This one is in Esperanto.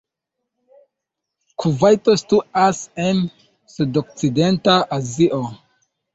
Kuvajto situas en sudokcidenta Azio.